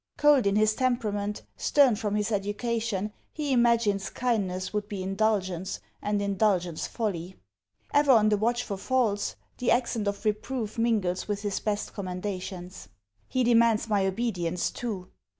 Cold in his temperament, stern from his education, he imagines kindness would be indulgence, and indulgence folly. Ever on the watch for faults, the accent of reproof mingles with his best commendations. He demands my obedience, too!